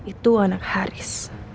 itu anak haris